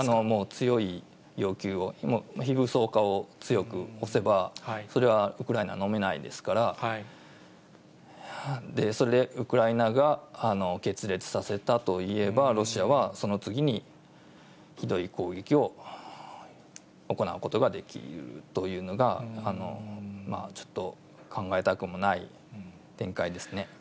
もう強い要求を、非武装化を強く押せば、それはウクライナのめないですから、それでウクライナが決裂させたといえば、ロシアはその次に、ひどい攻撃を行うことができるというのが、ちょっと、考えたくもない展開ですね。